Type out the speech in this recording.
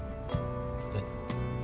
えっ？